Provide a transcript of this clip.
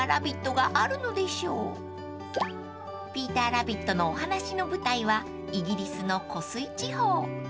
［『ピーターラビット』のお話の舞台はイギリスの湖水地方］